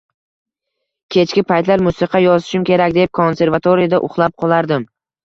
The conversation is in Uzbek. Kechki paytlar musiqa yozishim kerak deb, konservatoriyada uxlab qolardim.